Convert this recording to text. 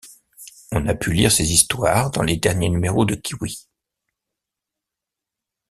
On a pu lire ces histoires dans les derniers numéros de Kiwi.